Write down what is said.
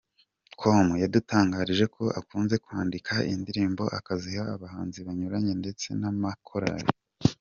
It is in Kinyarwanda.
com yadutangarije ko akunze kwandika indirimbo akaziha abahanzi banyuranye ndetse n'amakorali.